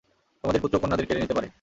তোমাদের পুত্র, কন্যাদের কেড়ে নিতে পারে।